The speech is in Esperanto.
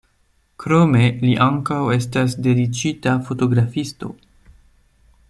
Krome li ankaŭ estas dediĉita fotografisto.